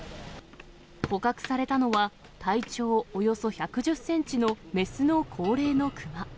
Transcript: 捕獲されたのは、体長およそ１１０センチの雌の高齢の熊。